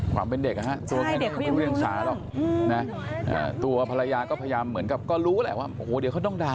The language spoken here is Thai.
หมาบอกมายบกมืออย่างนี้